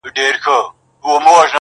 د مرغانو پاچهۍ ته نه جوړېږي!